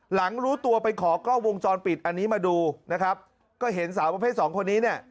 หลังรู้ตัวไปขอกล้องวงจรปิดอันนี้มาดูนะครับก็เห็นสาวประเภทสองคนนี้เนี่ย